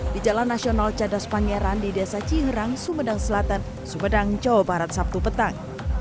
di jalan nasional cadas pangeran di desa cingrang sumedang selatan sumedang jawa barat sabtu petang